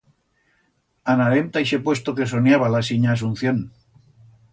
Anarem ta ixe puesto que soniaba la sinya Asunción.